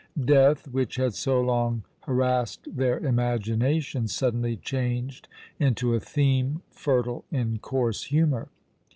Death, which had so long harassed their imaginations, suddenly changed into a theme fertile in coarse humour.